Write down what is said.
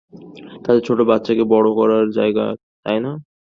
তাদের ছোট বাচ্চাকে বড় করার জায়গা, তাইনা?